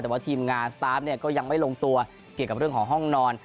แต่ว่าทีมงานสตาร์ฟเนี่ยก็ยังไม่ลงตัวเกี่ยวกับเรื่องของห้องนอน